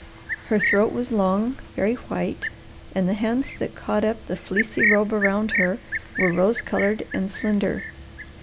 Her throat was long, very white, and the hands that caught up the fleecy robe around her were rose coloured and slender.